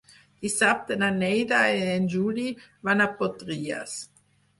Dissabte na Neida i en Juli van a Potries.